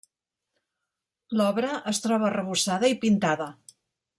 L'obra es troba arrebossada i pintada.